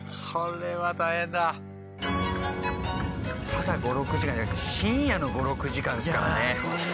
ただ５６時間じゃなくて深夜の５６時間ですからね。